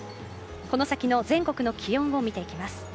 この先の全国の気温を見ていきます。